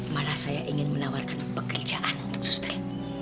malah saya ingin menawarkan pekerjaan untuk sustai